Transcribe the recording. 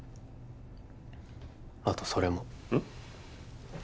あとそれもうん？